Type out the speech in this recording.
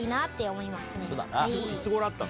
いつごろ会ったの？